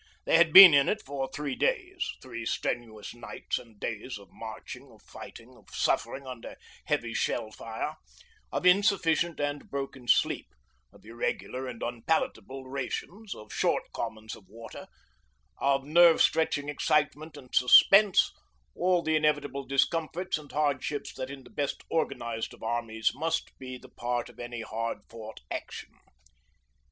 They had been in it for three days three strenuous nights and days of marching, of fighting, of suffering under heavy shell fire, of insufficient and broken sleep, of irregular and unpalatable rations, of short commons of water, of nerve stretching excitement and suspense, all the inevitable discomforts and hardships that in the best organised of armies must be the part of any hard fought action.